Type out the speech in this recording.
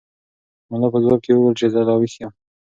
ملا په ځواب کې وویل چې زه لا ویښ یم.